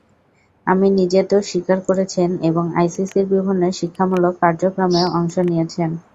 আমির নিজের দোষ স্বীকার করেছেন এবং আইসিসির বিভিন্ন শিক্ষামূলক কার্যক্রমেও অংশ নিয়েছেন।